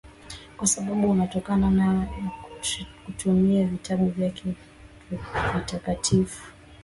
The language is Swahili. kwa sababu unatokana nayo na kutumia vitabu vyake vitakatifu